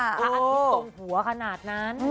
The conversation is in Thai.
อาทิตย์คู่กลุ่มหัวขาหนาดนั้น